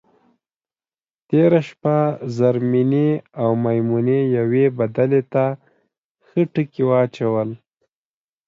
تېره شپه زرمېنې او میمونې یوې بدلې ته ښه ټکي واچول.